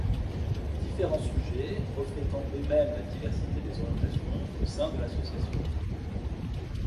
Différents sujets reflétant eux-mêmes la diversité des orientations au sein de l'association.